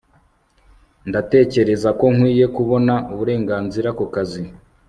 ndatekereza ko nkwiye kubona uburenganzira ku kazi